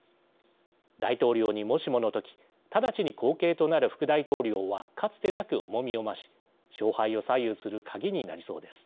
大統領にもしもの時直ちに後継となる副大統領はかつてなく重みを増し勝敗を左右する鍵になりそうです。